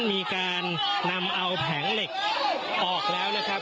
มีการนำเอาแผงเหล็กออกแล้วนะครับ